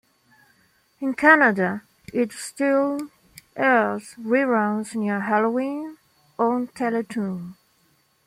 In Canada, it still airs re-runs near Halloween on Teletoon.